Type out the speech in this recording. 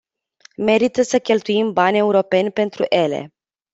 Merită să cheltuim bani europeni pentru ele.